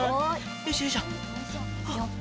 よいしょよいしょ。